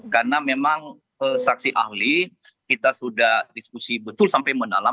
karena memang saksi ahli kita sudah diskusi betul sampai mendalam